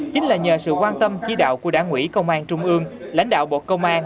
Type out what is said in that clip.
chính là nhờ sự quan tâm chỉ đạo của đảng ủy công an trung ương lãnh đạo bộ công an